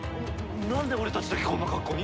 なんで俺たちだけこんな格好に！？